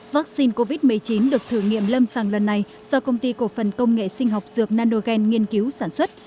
vaccine covid một mươi chín được thử nghiệm lâm sàng lần này do công ty cổ phần công nghệ sinh học dược nanogen nghiên cứu sản xuất